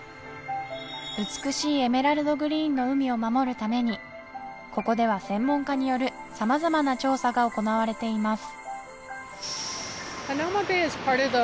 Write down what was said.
美しいエメラルドグリーンの海を守るためにここでは専門家による様々な調査が行われています